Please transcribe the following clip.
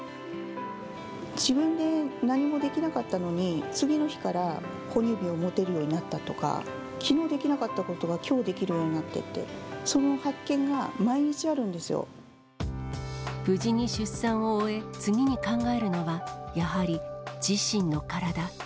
自分で何もできなかったのに、次の日から哺乳瓶を持てるようになったとか、きのうできなかったことが、きょうできるようになっていって、無事に出産を終え、次に考えるのは、やはり自身の体。